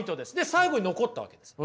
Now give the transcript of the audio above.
最後に残ったわけです。